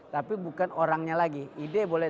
tapi bukan orangnya lagi ide boleh